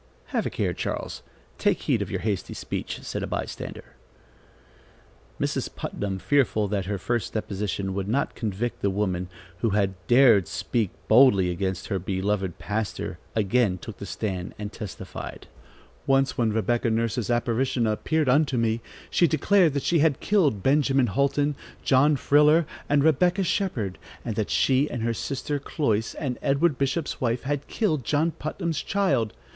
"Have a care, Charles. Take heed of your hasty speech," said a by stander. Mrs. Putnam, fearful that her first deposition would not convict the woman, who had dared speak boldly against her beloved pastor, again took the stand and testified: "Once, when Rebecca Nurse's apparition appeared unto me, she declared that she had killed Benjamin Houlton, John Friller, and Rebecca Shepherd, and that she and her sister Cloyse, and Edward Bishop's wife, had killed John Putnam's child.